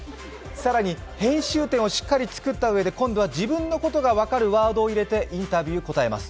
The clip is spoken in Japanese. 更に編集点をしっかり作ったうえで、自分のことが分かるワードを入れてインタビューに答えます。